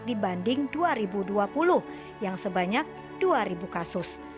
dibanding dua ribu dua puluh yang sebanyak dua kasus